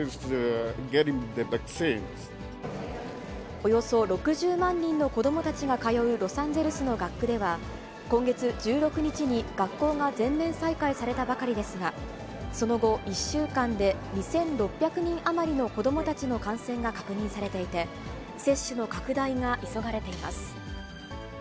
およそ６０万人の子どもたちが通うロサンゼルスの学区では、今月１６日に学校が全面再開されたばかりですが、その後、１週間で２６００人余りの子どもたちの感染が確認されていて、接種の拡大が急がれています。